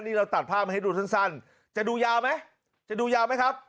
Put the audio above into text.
นี่เราตัดภาพมาให้ดูสั้นจะดูยาวไหมจะดูยาวไหมครับ